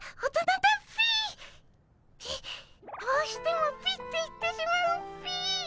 どうしても「ピッ」て言ってしまうっピィ。